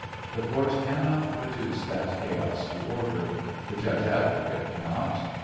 The court cannot reduce that chaos to order. The judge advocate cannot.